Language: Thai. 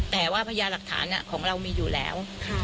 แต่ว่าพญาหลักฐานของเรามีอยู่แล้ว